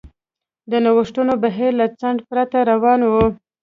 د نوښتونو بهیر له ځنډ پرته روان و.